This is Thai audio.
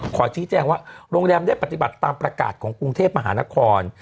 ขอชี้แจงว่าโรงแรมได้ปฏิบัติตามประกาศของกรุงเทพมหานคร